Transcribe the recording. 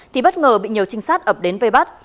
thì bất ngờ bị nhiều trinh sát ập đến vây bắt